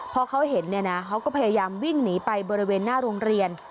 พอเขาเห็นเนี่ยนะเขาก็พยายามวิ่งหนีไปบริเวณหน้าโรงเรียน